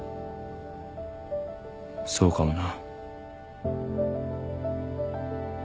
そうかもな。